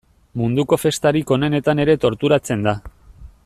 Munduko festarik onenetan ere torturatzen da.